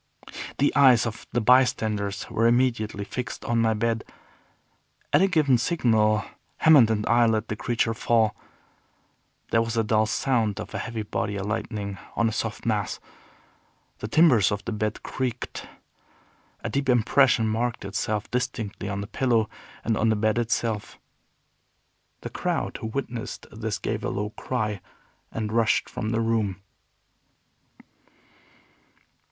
The eyes of the bystanders were immediately fixed on my bed. At a given signal Hammond and I let the creature fall. There was a dull sound of a heavy body alighting on a soft mass. The timbers of the bed creaked. A deep impression marked itself distinctly on the pillow, and on the bed itself. The crowd who witnessed this gave a low cry, and rushed from the room.